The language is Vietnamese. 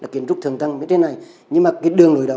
kiến trúc thường tăng bên trên này nhưng mà cái đường lối đổi